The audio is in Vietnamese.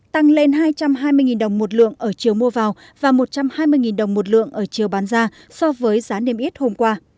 tăng lên hai trăm hai mươi đồng một lượng ở chiều mua vào và một trăm hai mươi đồng một lượng ở chiều bán ra so với giá niêm yết hôm qua